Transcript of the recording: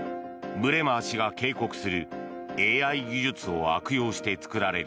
ブレマー氏が警告するＡＩ技術を悪用して作られる